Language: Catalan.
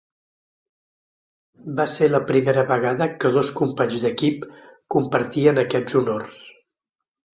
Va ser la primera vegada que dos companys d'equip compartien aquests honors.